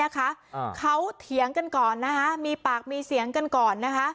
เขาเถียงกันก่อนมีปากมีเสียงกันก่อน